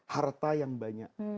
harta yang banyak